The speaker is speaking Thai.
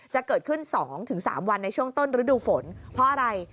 จะเกิดขึ้น๒๓วันในช่วงต้นฤดูฝนเพราะอะไร